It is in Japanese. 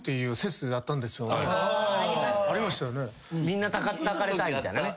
みんなたたかれたいみたいなね。